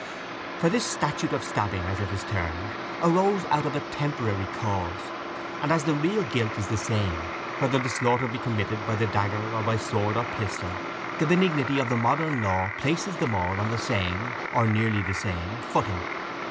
For this statute of stabbing, as it is termed, arose out of a temporary cause; and as the real guilt is the same, whether the slaughter be committed by the dagger or by sword or pistol, the benignity of the modern law places them all on the same, or nearly the same, footing.